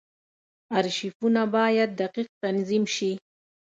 ارشیفونه باید دقیق تنظیم شي.